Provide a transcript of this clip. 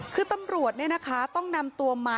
คือตำรวจต้องนำตัวมา